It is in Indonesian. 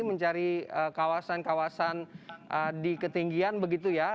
mencari kawasan kawasan di ketinggian begitu ya